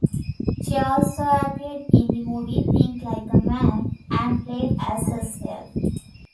She also appeared in the movie "Think Like A Man", and played as herself.